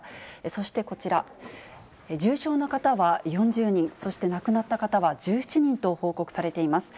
そしてこちら、重症の方は４０人、そして亡くなった方は１７人と報告されています。